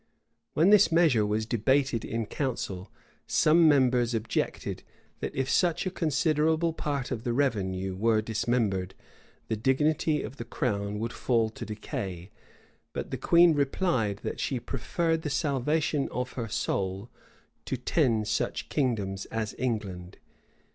[] When this measure was debated in council, some members objected, that if such a considerable part of the revenue were dismembered, the dignity of the crown would fall to decay; but the queen replied, that she preferred the salvation of her soul to ten such kingdoms as England.